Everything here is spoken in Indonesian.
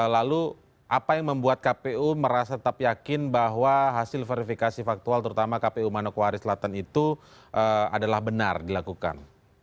lalu apa yang membuat kpu merasa tetap yakin bahwa hasil verifikasi faktual terutama kpu manokwari selatan itu adalah benar dilakukan